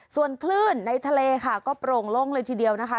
ส่วนคลื่นในทะเลค่ะก็โปร่งโล่งเลยทีเดียวนะคะ